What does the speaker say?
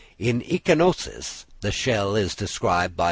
In Echinoneus, the shell is described by M.